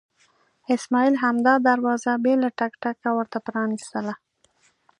اسماعیل همدا دروازه بې له ټک ټکه ورته پرانستله.